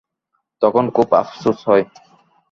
তখন খুব আফসোস হয়।